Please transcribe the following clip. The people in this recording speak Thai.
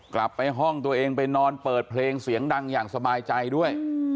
กลับไปห้องตัวเองไปนอนเปิดเพลงเสียงดังอย่างสบายใจด้วย